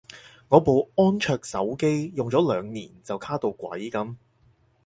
我部安卓手機用咗兩年就卡到鬼噉